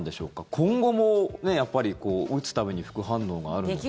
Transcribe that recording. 今後も打つ度に副反応があるのか。